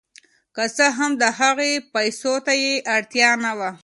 که څه هم د هغه پیسو ته یې اړتیا نه وه.